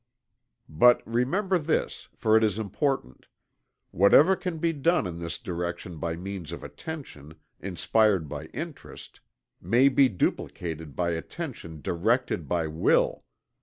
But, remember this for it is important: Whatever can be done in this direction by means of attention, inspired by interest, may be duplicated by attention directed by will.